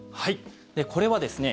これはですね